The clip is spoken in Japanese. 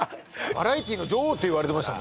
バラエティの女王っていわれてました